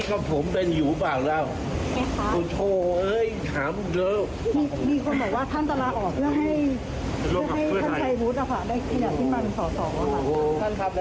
มึงกับเพื่อไทยเพื่อให้ท่านชายวุฒิคุณสิงหาศิลปันส่ออ่ะค่ะโอ้โฮ